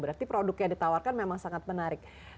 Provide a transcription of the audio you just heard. berarti produk yang ditawarkan memang sangat menarik